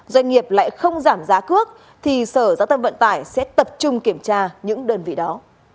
doanh nghiệp lại không giảm giá cước thì sở giao thông vận tải sẽ tập trung kiểm tra những đơn vị đó